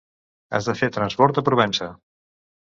Has de fer transbord a Provença.